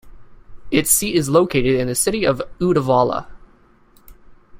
Its seat is located in the city of Uddevalla.